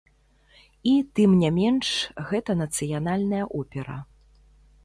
І, тым не менш, гэта нацыянальная опера.